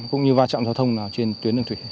cũng như va chạm giao thông nào trên tuyến đường thủy